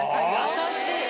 優しい！